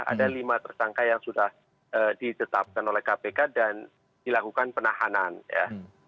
ada lima tersangka yang sudah ditetapkan oleh kpk dan dilakukan penahanan ya